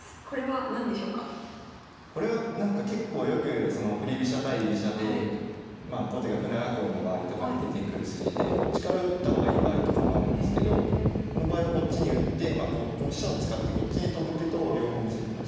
これはなんか結構よく振り飛車対居飛車で後手が舟囲いの場合とかに出てくる筋でこっちから打った方がいい場合とかもあるんですけどこの場合はこっちに打ってこの飛車を使ってこっちに跳ぶ手と両方見せてます。